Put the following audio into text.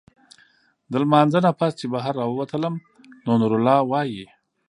د مانځۀ نه پس چې بهر راووتم نو نورالله وايي